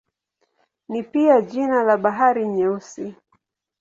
Ni pia jina la Bahari Nyeusi.